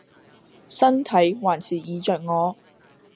身體還是椅著我